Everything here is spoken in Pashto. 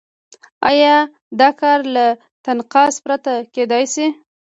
آیا دا کار له تناقض پرته کېدای شي؟